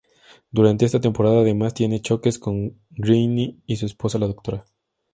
Durante esta temporada, además, tiene choques con Greene y su esposa, la Dra.